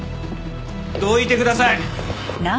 どいてください！